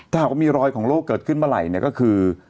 ถ้าหากมีรอยของโรคเกิดขึ้นเมื่อไหร่ก็คือ